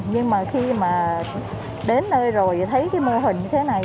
nhưng mà khi mà đến nơi rồi và thấy cái mô hình như thế này